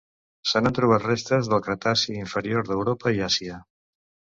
Se n'han trobat restes del Cretaci inferior d'Europa i Àsia.